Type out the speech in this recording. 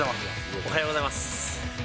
おはようございます。